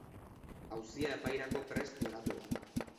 Auzia epairako prest geratu da.